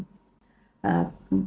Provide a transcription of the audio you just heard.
tăng nguyệt áp nếu như